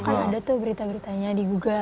kan ada tuh berita beritanya di google